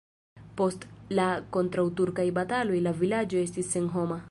Post la kontraŭturkaj bataloj la vilaĝo estis senhoma.